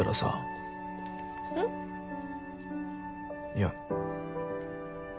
いや。